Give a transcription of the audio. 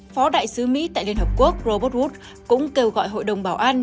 phó đại sứ mỹ tại liên hợp quốc robot wood cũng kêu gọi hội đồng bảo an